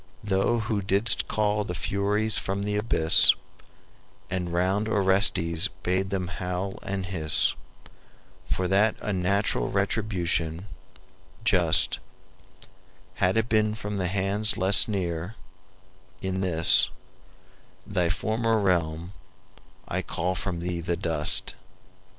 Thou who didst call the Furies from the abyss, And round Orestes bade them howl and hiss, For that unnatural retribution, just, Had it but been from hands less near, in this, Thy former realm, I call thee from the dust!"